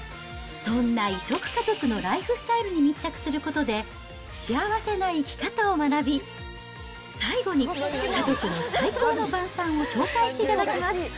そんな異色家族のライフスタイルに密着することで、幸せな生き方を学び、最後に家族の最高の晩さんを紹介していただきます。